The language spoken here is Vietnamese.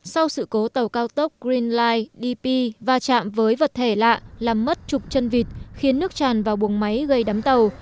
sau sự cố tàu cao tốc green life dp va chạm với vật thể lạ làm mất chục chân vịt khiến nước tràn vào buồng máy gây đấm tàu